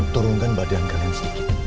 turunkan badan kalian sedikit